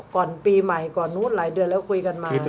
ก่อนปีใหม่ก่อนนู้นหลายเดือนแล้วคุยกันมา